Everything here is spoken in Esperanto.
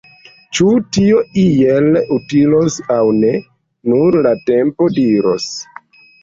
Ĉu tio iel utilos aŭ ne, nur la tempo diros!